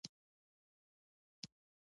آیا سایپا بل موټر جوړوونکی شرکت نه دی؟